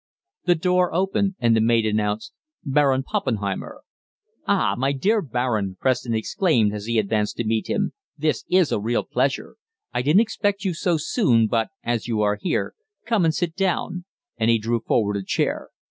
The door opened, and the maid announced: "Baron Poppenheimer." "Ah, my dear Baron," Preston exclaimed as he advanced to meet him, "this is a real pleasure; I didn't expect you so soon, but, as you are here, come and sit down," and he drew forward a chair.